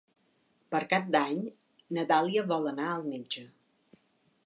Per Cap d'Any na Dàlia vol anar al metge.